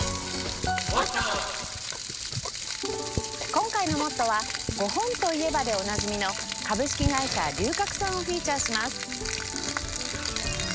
今回の『ＭＯＴＴＯ！！』は「ゴホン！といえば」でおなじみの株式会社龍角散をフィーチャーします。